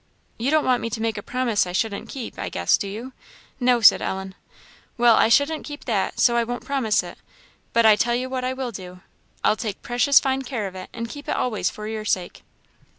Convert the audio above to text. "You don't want me to make a promise I shouldn't keep, I guess, do you?" "No," said Ellen. "Well, I shouldn't keep that, so I won't promise it; but I tell you what I will do, I'll take precious fine care of it and keep it always for your sake."